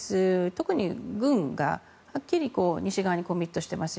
特に軍がはっきり西側にコミットしてます